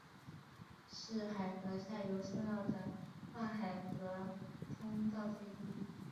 是海河下游重要的跨海河通道之一。